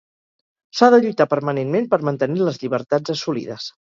S'ha de lluitar permanentment per mantenir les llibertats assolides